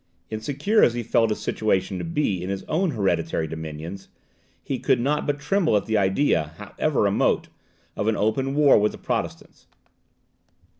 Insecure as he felt his situation to be in his own hereditary dominions, he could not but tremble at the idea, however remote, of an open war with the Protestants.